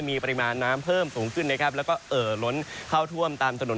มีปริมาณน้ำเพิ่มสูงขึ้นนะครับแล้วก็เอ่อล้นเข้าท่วมตามถนน